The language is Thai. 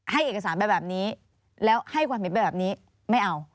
ให้เอกสารไปแบบนี้แล้วให้ความเห็นไปแบบนี้ไม่เอา